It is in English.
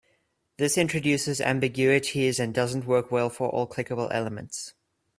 This introduces ambiguities and doesn't work well for all clickable elements.